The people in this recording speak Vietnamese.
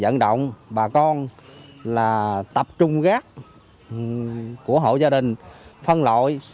vận động bà con là tập trung rác của hộ gia đình phân lội